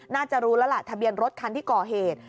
น่าจะรู้แล้วล่ะทะเบียนรถคันที่ก่อเหตุ